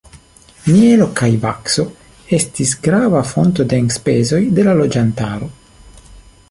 Mielo kaj vakso estis grava fonto de enspezoj de la loĝantaro.